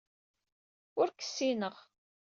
Ur k-ssineɣ.